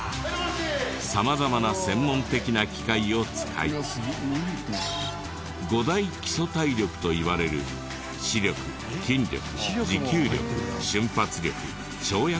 様々な専門的な機械を使い５大基礎体力といわれる視力筋力持久力瞬発力跳躍力を全て数値化。